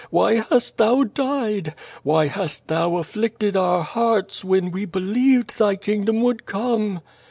Why hast Thou died? Why hast Thou afflicted our hearts, when we believed Thy kingdom would come?'